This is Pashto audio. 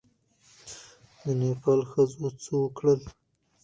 د نېپال ښځو څه وکړل؟